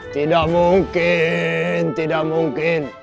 tidak mungkin tidak mungkin